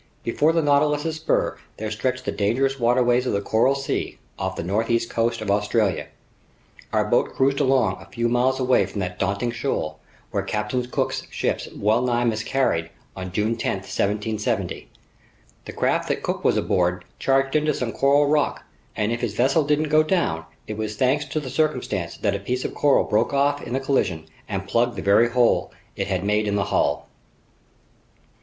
Before the Nautilus's spur there stretched the dangerous waterways of the Coral Sea, off the northeast coast of Australia. Our boat cruised along a few miles away from that daunting shoal where Captain Cook's ships wellnigh miscarried on June 10, 1770. The craft that Cook was aboard charged into some coral rock, and if his vessel didn't go down, it was thanks to the circumstance that a piece of coral broke off in the collision and plugged the very hole it had made in the hull.